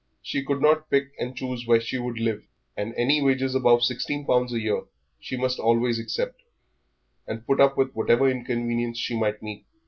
She could not pick and choose where she would live, and any wages above sixteen pound a year she must always accept, and put up with whatever inconvenience she might meet.